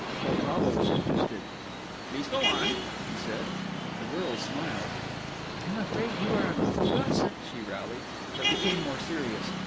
Poltavo was interested. "Please go on," he said. The girl smiled. "I am afraid you are an awful gossip," she rallied, but became more serious.